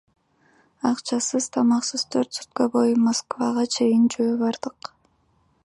Акчасыз, тамаксыз төрт сутка бою Москвага чейин жөө бардык.